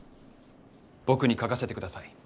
僕に書かせてください。